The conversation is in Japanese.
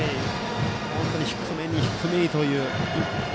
本当に低めに低めにという。